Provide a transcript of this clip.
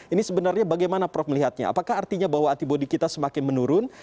ini sebenarnya bagaimana prof melihatnya apakah artinya bahwa antibody kita semakin menurun